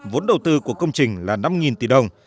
vốn đầu tư của công trình là năm tỷ đồng